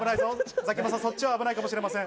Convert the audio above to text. ザキヤマさん、そっちは危ないかもしれません。